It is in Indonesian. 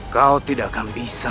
kau tidak akan bisa